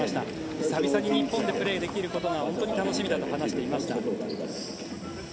久々にプレーできることが楽しみだと話していました。